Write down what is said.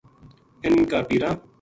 اِنھ کا پیراں